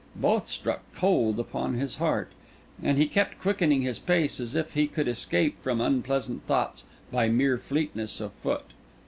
Both struck cold upon his heart, and he kept quickening his pace as if he could escape from unpleasant thoughts by mere fleetness of foot.